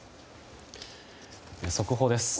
速報です。